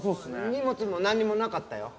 荷物もなんにもなかったよ。